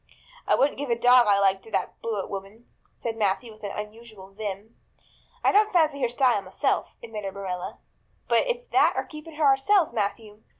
"I wouldn't give a dog I liked to that Blewett woman," said Matthew with unusual vim. "I don't fancy her style myself," admitted Marilla, "but it's that or keeping her ourselves, Matthew.